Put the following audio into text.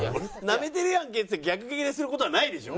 「なめてるやんけ」っつって逆ギレする事はないでしょ。